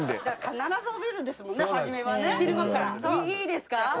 いいんですか？